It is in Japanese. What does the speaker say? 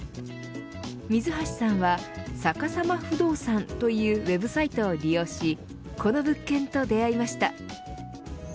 水橋さんはさかさま不動産というウェブサイトを利用しこの物件と出会いました。